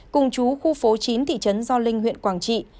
cùng chú khu phố chín thị trấn gio linh huyện quảng trị